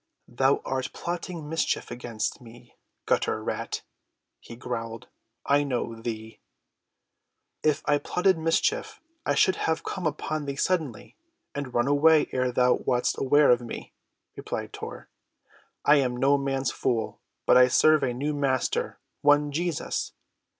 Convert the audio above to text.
"Thou art plotting mischief against me, gutter rat," he growled, "I know thee." "If I plotted mischief I should have come upon thee suddenly, and run away ere thou wast aware of me," replied Tor. "I am no man's fool, but I serve a new Master, one Jesus.